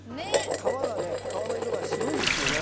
皮がね皮の色が白いんですよね。